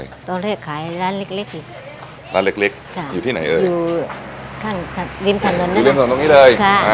ตอนเรียกขายร้านเล็กเล็กร้านเล็กเล็กค่ะอยู่ที่ไหนเอ่ยค่ะอยู่ข้างทางริมถนนนะอยู่ริมถนนตรงนี้เลยค่ะ